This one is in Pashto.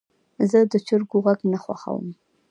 زه د چرګو غږ نه خوښوم.